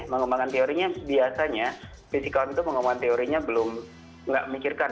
mengembangkan teorinya biasanya fisikawan untuk mengembangkan teorinya belum enggak mikirkan